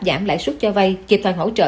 giảm lãi xuất cho vay kịp thoại hỗ trợ